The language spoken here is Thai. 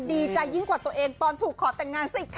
ดีใจยิ่งกว่าตัวเองตอนถูกขอแต่งงานสิค่ะ